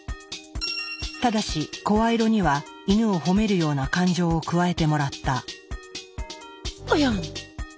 ただし声色にはイヌを褒めるような感情を加えてもらった。